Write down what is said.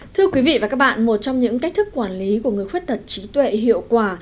thưa quý vị và các bạn một trong những cách thức quản lý của người khuyết tật trí tuệ hiệu quả